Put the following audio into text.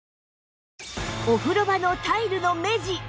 お風呂場のタイルの目地